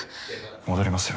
戻りますよ。